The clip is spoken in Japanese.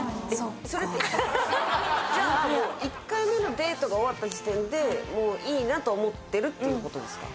それってじゃあもう１回目のデートが終わった時点でもういいなと思ってるっていうことですか？